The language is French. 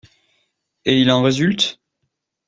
Et il en résulte ?